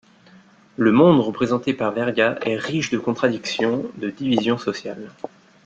Le monde représenté par Verga est riche de contradictions, de divisions sociales.